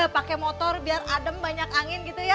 pakai motor biar adem banyak angin gitu ya